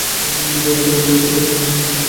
দুঃখিত, আমি তোমাদের ডিস্টার্ব করতে চাইনি।